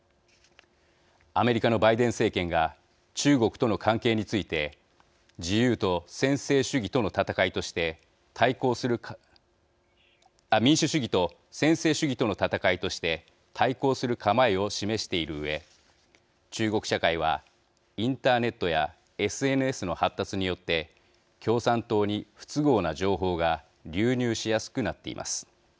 アメリカのバイデン政権が中国との関係について民主主義と専制主義との戦いとして対抗する構えを示しているうえ中国社会はインターネットやＳＮＳの発達によって共産党に不都合な情報が流入しやすくなっています。